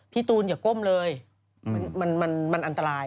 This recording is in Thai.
ตูนอย่าก้มเลยมันอันตราย